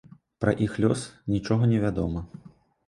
Пра іх лёс нічога невядома.